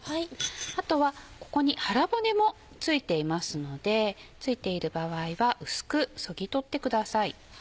あとはここに腹骨も付いていますので付いている場合は薄くそぎ取ってください。